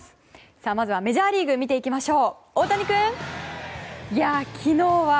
まずはメジャーリーグ見ていきましょう。